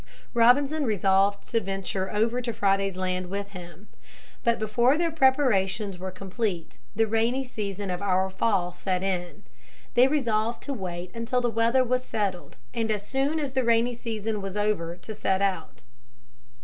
Robinson resolved to venture over to Friday's land with him. But before their preparations were complete the rainy season of our fall set in. They resolved to wait until the weather was settled and as soon as the rainy season was over to set out.